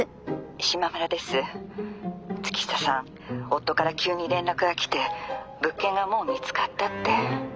夫から急に連絡が来て物件がもう見つかったって。